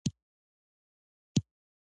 • بې صبري د انسان ضعف دی.